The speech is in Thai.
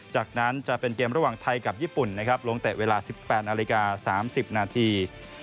จากนั้นจะเป็นเกมระหว่างไทยกับญี่ปุ่นนะครับลงเตะเวลา๑๘นาฬิกา๓๐นาที